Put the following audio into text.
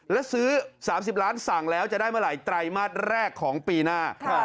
และซื้อ๓๐ล้านสั่งแล้วจะได้เมื่อไหร่ไตรมาสแรกของปีหน้า